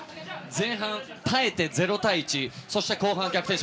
前半、耐えて０対１そして後半、逆転。